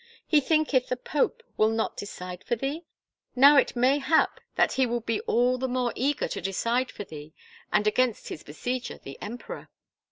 He thinketh the pope will not decide for thee? Now it may hap that he will be all the more eager to decide for thee and against his besieger, the emperor."